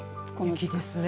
雪ですね。